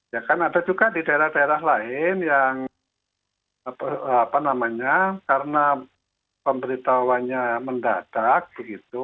ya kan ada juga di daerah daerah lain yang apa namanya karena pemberitahuannya mendadak begitu